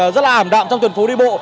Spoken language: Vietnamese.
rất là ảm đạm trong tuyển phố đi bộ